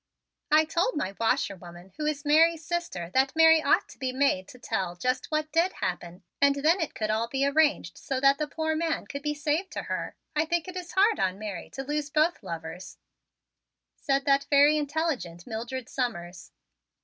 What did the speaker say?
"I told my washwoman, who is Mary's sister, that Mary ought to be made to tell just what did happen and then it could all be arranged so that the poor man could be saved to her. I think it is hard on Mary to lose both lovers," said that very intelligent Mildred Summers.